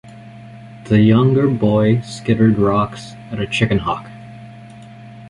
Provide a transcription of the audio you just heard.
The younger boy skittered rocks at a chicken-hawk.